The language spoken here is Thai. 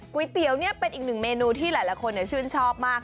ก๋วยเตี๋ยวนี่เป็นอีกหนึ่งเมนูที่หลายคนชื่นชอบมาก